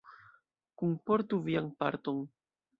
Kunportu vian parton!